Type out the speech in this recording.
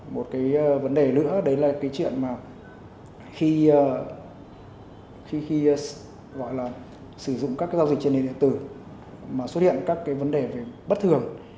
một cái vấn đề nữa đấy là cái chuyện mà khi gọi là sử dụng các giao dịch trên nền điện tử mà xuất hiện các cái vấn đề về bất thường